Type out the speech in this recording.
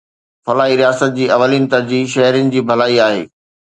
فلاحي رياست جي اولين ترجيح شهرين جي ڀلائي آهي